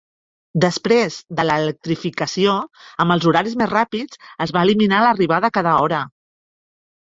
Després de l'electrificació, amb els horaris més ràpids es va eliminar l'arribada cada hora.